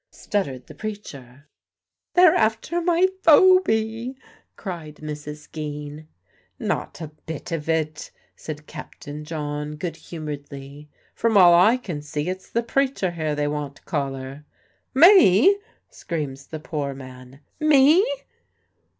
stuttered the preacher. "They're after my Phoby!" cried Mrs. Geen. "Not a bit of it," said Captain John good humouredly. "From all I can see it's the preacher here they want to collar." "Me!" screams the poor man "_me!